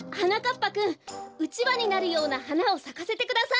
ぱくんうちわになるようなはなをさかせてください。